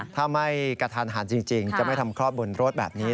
ถ้าไม่กระทันหันจริงจะไม่ทำคลอดบนรถแบบนี้